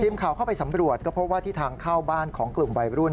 ทีมข่าวเข้าไปสำรวจก็พบว่าที่ทางเข้าบ้านของกลุ่มวัยรุ่น